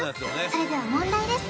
それでは問題です